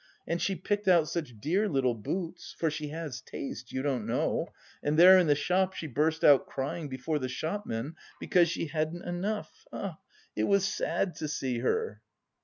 And she picked out such dear little boots, for she has taste, you don't know. And there in the shop she burst out crying before the shopmen because she hadn't enough.... Ah, it was sad to see her...."